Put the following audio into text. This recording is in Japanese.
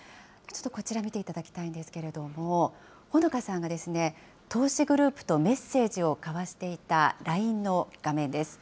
ちょっとこちら、見ていただきたいんですけれども、ほのかさんが投資グループとメッセージを交わしていたＬＩＮＥの画面です。